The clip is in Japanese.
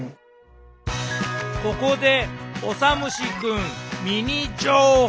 ここでオサムシくんミニ情報！